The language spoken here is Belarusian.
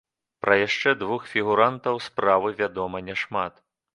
Пра яшчэ двух фігурантаў справы вядома няшмат.